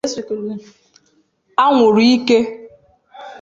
anwụrụ ike